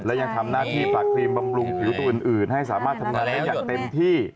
และยังทำหน้าที่ปรักครีมบำรุงผิวตัวอื่นให้สามารถทำงานได้อย่างเต็มที่